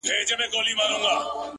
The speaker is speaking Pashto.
بيا دي توري سترگي زما پر لوري نه کړې،